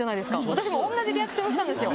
私も同じリアクションしたんですよ。